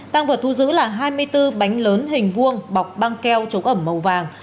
tăng vật thu giữ là hai mươi bốn bánh lớn hình vuông bọc băng keo chống ẩm màu vàng